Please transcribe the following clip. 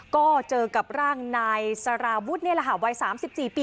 ก็เจอกับร่างนายสาราวุฒิในรหาวัยสามสิบสี่ปี